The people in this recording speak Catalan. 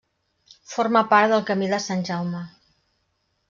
Forma part del camí de Sant Jaume.